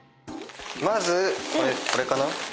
まずこれかな？